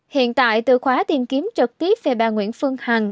hiện tại từ khóa tìm kiếm trực tiếp về bà nguyễn phương hằng